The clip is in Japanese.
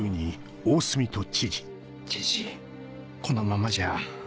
知事このままじゃ。